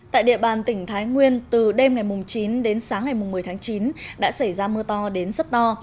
tại địa bàn tỉnh thái nguyên từ đêm ngày chín đến sáng ngày một mươi tháng chín đã xảy ra mưa to đến rất to